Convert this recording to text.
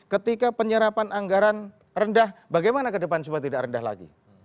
ketika penyerapan anggaran rendah bagaimana ke depan supaya tidak rendah lagi